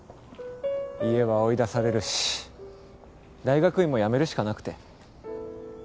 家は追い出されるし大学院も辞めるしかなくて。